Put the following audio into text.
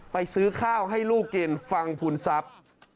ซื้อข้าวให้ลูกกินฟังภูมิทรัพย์